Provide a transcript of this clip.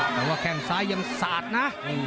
แต่ว่าแข้งซ้ายยังสาดนะ